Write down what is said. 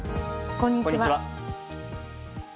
こんにちは。